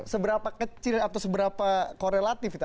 seberapa kecil atau seberapa korelatif itu